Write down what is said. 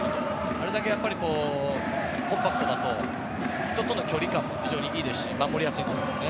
あれだけコンパクトだと人との距離感もいいですし守りやすいと思います。